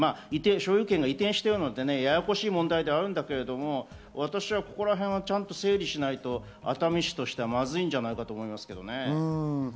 所有権が移転してるのでややこしい問題ではあるけれども、私はここら辺整理しないと熱海市としてはまずいんじゃないかなと思いますけどね。